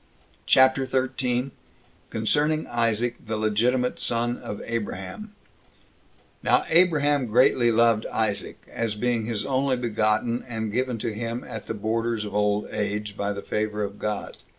CHAPTER 13. Concerning Isaac The Legitimate Son Of Abraham. 1. Now Abraham greatly loved Isaac, as being his only begotten 27 and given to him at the borders of old age, by the favor of God.